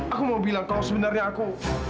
aku mau bilang kalau sebenarnya aku